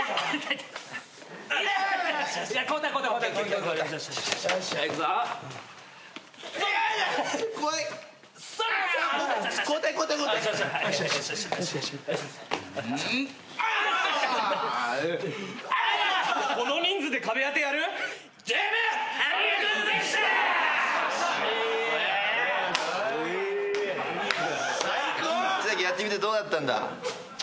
稀咲やってみてどうだったんだ？